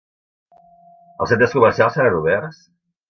Els centres comercials seran oberts?